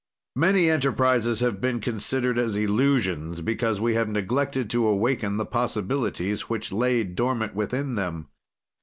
Many enterprises have been considered as illusions because we have neglected to awaken the possibilities which lay dormant within them.